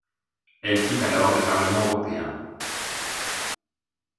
Elle quitte alors le Parlement européen.